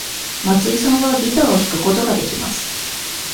松井さんはギターを弾くことができます。